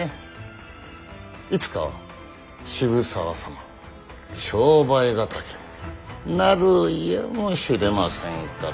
いつかは渋沢様は商売敵になるやもしれませぬから。